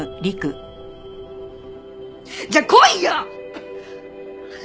じゃあ来いや！